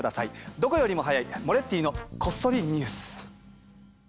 どこよりも早い「モレッティのこっそりニュース」。